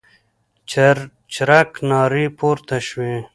چرچرک نارې پورته شوې.